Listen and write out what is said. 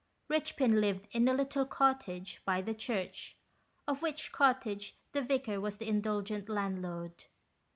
Richpin lived in a little cottage by the church, of which cottage the Vicar was the indulgent landlord.